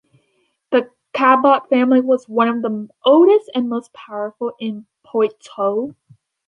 The Chabot family was one of the oldest and most powerful in Poitou.